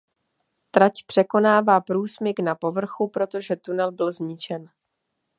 Trať překonávala průsmyk na povrchu protože tunel byl zničen.